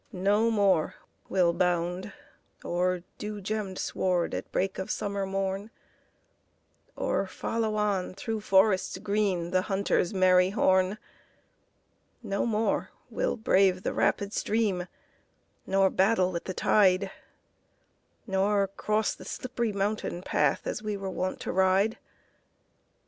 No more we'll bound o'er dew gemmed sward At break of summer morn, Or follow on, through forests green, The hunter's merry horn; No more we'll brave the rapid stream, Nor battle with the tide, Nor cross the slipp'ry mountain path, As we were wont to ride.